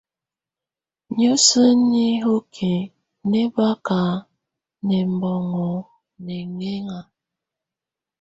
Niǝ́suǝ́ nihoki nɛ́ baka nɛbɔ́ŋɔ nɛŋɛŋá.